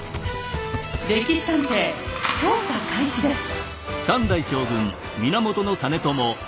「歴史探偵」調査開始です。